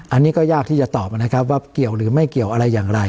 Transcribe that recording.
อันนี้ก็ยากที่จะตอบนะครับว่าเกี่ยวหรือไม่เกี่ยวอะไรอย่างไร